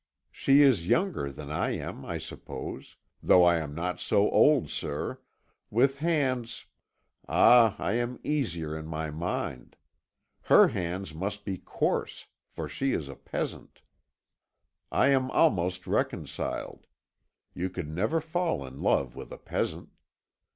She is younger than I am, I suppose though I am not so old, sir! with hands Ah, I am easier in my mind; her hands must be coarse, for she is a peasant. I am almost reconciled; you could never fall in love with a peasant.